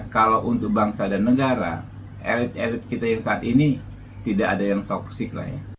kalau untuk bangsa dan negara elit elit kita yang saat ini tidak ada yang toxic lah ya